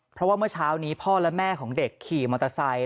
เพราะว่าเมื่อเช้านี้พ่อและแม่ของเด็กขี่มอเตอร์ไซค์